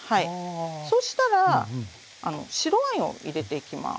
そしたら白ワインを入れていきます。